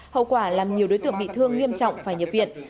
hậu quả làm nhiều đối tượng bị thương nghiêm trọng phải nhập viện